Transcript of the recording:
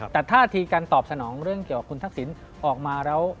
แต่ท่าทีการตอบสนองเรื่องเกี่ยวกับคุณทักษิณออกมาแล้ว